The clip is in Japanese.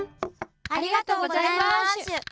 ありがとうございましゅ。